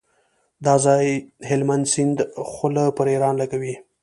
دا ځای هلمند سیند خوله پر ایران لګوي.